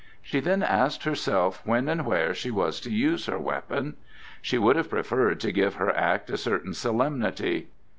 She then asked herself when and where she was to use her weapon. She would have preferred to give her act a certain solemnity.